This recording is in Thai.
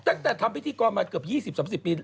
ตั้งแต่ทำพิธีกรมาเกือบ๒๐๓๐ปี